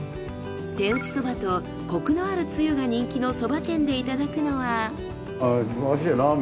手打ちそばとコクのあるつゆが人気のそば店でいただくのは。